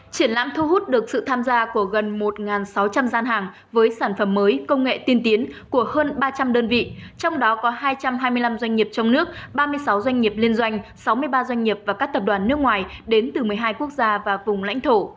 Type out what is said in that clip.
triển lãm thu hút được sự tham gia của gần một sáu trăm linh gian hàng với sản phẩm mới công nghệ tiên tiến của hơn ba trăm linh đơn vị trong đó có hai trăm hai mươi năm doanh nghiệp trong nước ba mươi sáu doanh nghiệp liên doanh sáu mươi ba doanh nghiệp và các tập đoàn nước ngoài đến từ một mươi hai quốc gia và vùng lãnh thổ